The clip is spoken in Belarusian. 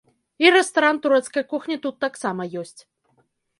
І рэстаран турэцкай кухні тут таксама ёсць.